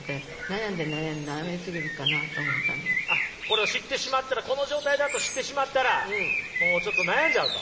これを知ってしまったらこの状態だと知ってしまったらもうちょっと悩んじゃうと？